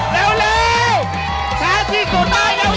เร็วเร็วเช้าลืมสุดเลย